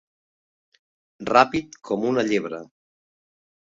Ràpid com una llebre.